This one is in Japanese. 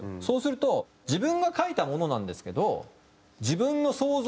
そうすると自分が書いたものなんですけど。